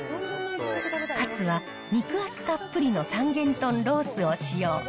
カツは肉厚たっぷりの三元豚ロースを使用。